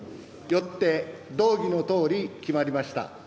よって、動議のとおり、決まりました。